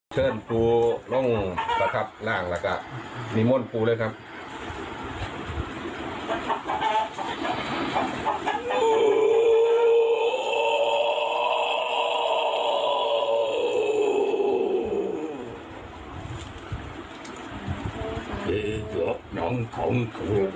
เชิญปูลงประทับร่างล่ะครับมีม่วนปูด้วยครับ